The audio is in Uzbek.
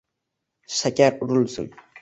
Shakar urilsin